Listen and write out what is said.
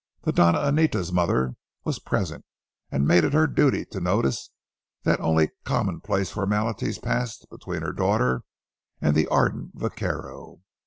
The Doña Anita's mother was present, and made it her duty to notice that only commonplace formalities passed between her daughter and the ardent vaquero.